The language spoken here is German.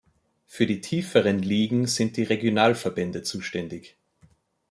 Für die tieferen Ligen sind die Regionalverbände zuständig.